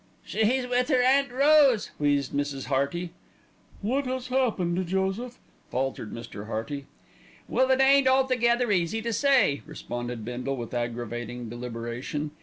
"She's with her Aunt Rose," wheezed Mrs. Hearty. "What has happened, Joseph?" faltered Mr. Hearty. "Well, it ain't altogether easy to say," responded Bindle with aggravating deliberation.